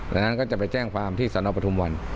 ตอนนั้นก็จะไปแจ้งความพิสนองปฐุมวัน